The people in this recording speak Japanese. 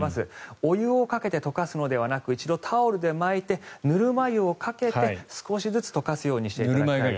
お湯をかけて溶かすのではなく一度、タオルで巻いてぬるま湯をかけて少しずつ溶かすようにしてください。